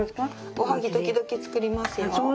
おはぎ時々つくりますよ。